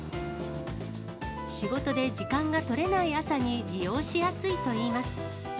仕事で時間が取れない朝に利用しやすいといいます。